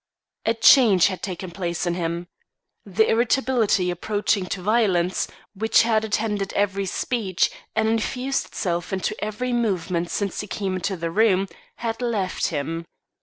A change had taken place in him. The irritability approaching to violence, which had attended every speech and infused itself into every movement since he came into the room, had left him.